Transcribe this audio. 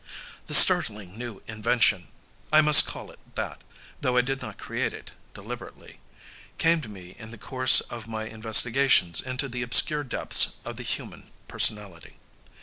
The startling new invention I must call it that, though I did not create it deliberately came to me in the course of my investigations into the obscure depths of the human personality.